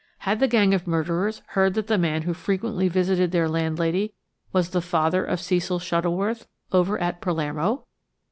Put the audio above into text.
Had the gang of murderers heard that the man who frequently visited their landlady was the father of Cecil Shuttleworth over at Palermo?